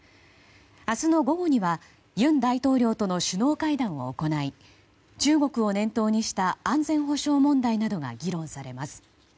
明日の午後には尹大統領との首脳会談を行い中国を念頭にした安全保障問題などが議論されます。